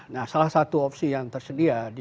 nah salah satu opsi yang tersedia